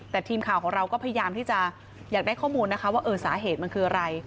แต่ทีมข่าวของเราก็พยายามที่จะอยากได้ข้อมูลนะคะว่าสาเหตุมันคืออะไร